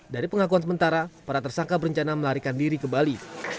dari pengakuan sementara para tersangka berencana melarikan diri ke bali